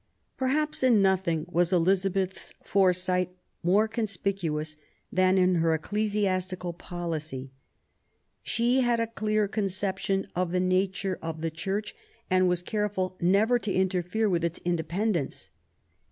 Perhaps in nothing was Elizabeth's foresight more conspicuous than in her ecclesiastical policy. She had a clear conception of the nature of the PROBLEMS OF THE REIGN. 53 Church, and was careful never to interefere with its independence.